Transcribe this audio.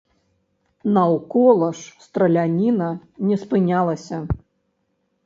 Наўкола ж страляніна не спынялася.